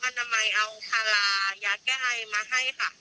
ฮันต์นามัยเอาฮารายาแก้ไฮมาให้ค่ะ